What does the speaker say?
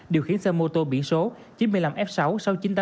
điều khiến xe mô tô bị số chín mươi năm f sáu sau chín trăm tám mươi tám